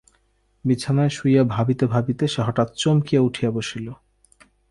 বিছানায় শুইয়া ভাবিতে ভাবিতে সে হঠাৎ চমকিয়া উঠিয়া বসিল।